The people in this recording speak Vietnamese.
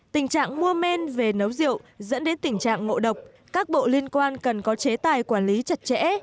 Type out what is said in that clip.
tình trạng mua men về nấu rượu dẫn đến tình trạng ngộ độc các bộ liên quan cần có chế tài quản lý chặt chẽ